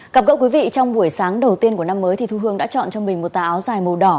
gặp gỡ quý vị trong buổi sáng đầu tiên của năm mới thì thu hương đã chọn cho mình một tà áo dài màu đỏ